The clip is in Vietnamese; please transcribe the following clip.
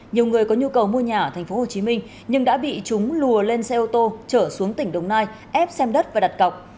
nhiều người có nhu cầu mua nhà ở tp hcm nhưng đã bị chúng lùa lên xe ô tô trở xuống tỉnh đồng nai ép xem đất và đặt cọc